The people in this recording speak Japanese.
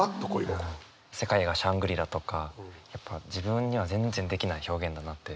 「世界がシャングリラ」とかやっぱ自分には全然できない表現だなって。